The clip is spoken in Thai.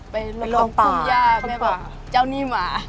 ไปลงตรงคุมย่าแม่บอกเจ้านี่หมา